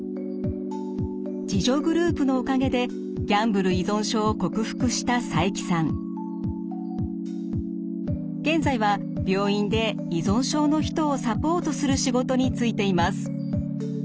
自助グループのおかげでギャンブル依存症を克服した現在は病院で依存症の人をサポートする仕事に就いています。